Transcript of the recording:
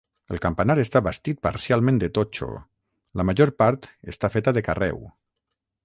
El campanar està bastit parcialment de totxo, la major part està feta de carreu.